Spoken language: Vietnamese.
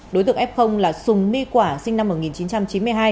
đối tượng f là sùng my quả sinh năm một nghìn chín trăm chín mươi hai